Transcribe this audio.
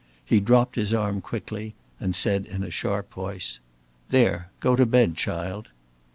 He dropped her arm quickly, and said in a sharp voice: "There! Go to bed, child!"